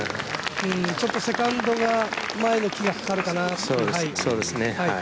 ちょっとセカンドが前の木がかかるかなって。